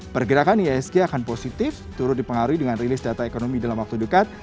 pergerakan isg akan positif turut dipengaruhi dengan rilis data ekonomi dalam waktu dekat